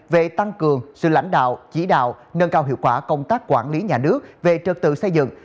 về tăng cường sự lãnh đạo chỉ đạo nâng cao hiệu quả công tác quản lý nhà nước về trật tự xây dựng